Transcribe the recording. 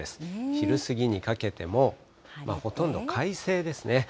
昼過ぎにかけても、ほとんど快晴ですね。